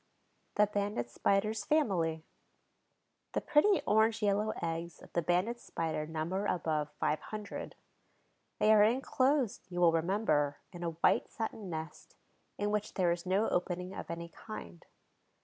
THE BANDED SPIDER'S FAMILY The pretty orange yellow eggs of the Banded Spider number above five hundred. They are inclosed, you will remember, in a white satin nest, in which there is no opening of any kind.